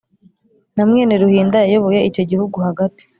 na mwene ruhinda, yayoboye icyo gihugu hagati